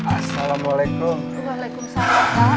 assalamualaikum waalaikumsalam pak